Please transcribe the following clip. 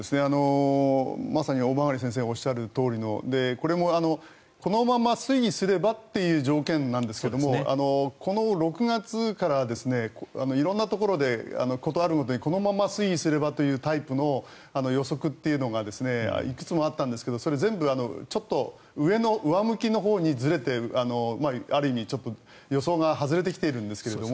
まさに大曲先生がおっしゃるとおりのこれもこのまま推移すればという条件なんですけどこの６月から色んなところで事あるごとにこのまま推移すればというタイプの予測というのがいくつもあったんですけど全部上向きのほうにずれてある意味、ちょっと予想が外れてきているんですけれども。